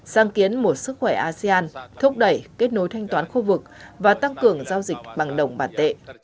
sáng kiến một sức khỏe asean thúc đẩy kết nối thanh toán khu vực và tăng cường giao dịch bằng đồng bản tệ